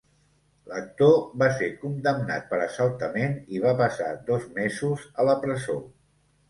L'actor va ser condemnat per assaltament i va passar dos mesos a la presó.